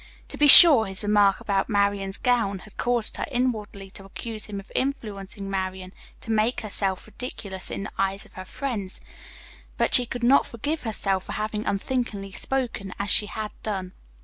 To be sure, his remark about Marian's gown had caused her inwardly to accuse him of influencing Marian to make herself ridiculous in the eyes of her friends, but she could not forgive herself for having unthinkingly spoken as she had done.